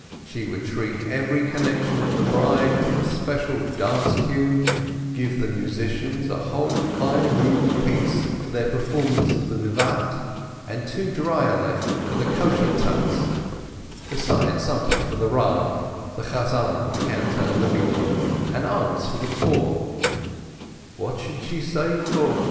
She would treat every connection of the bride to a special dance tune, give the musicians a whole five ruble piece for their performance of the Vivat, and two dreierlech for the Kosher Tanz, beside something for the Rav, the cantor, and the beadle, and alms for the poor — what should she save for?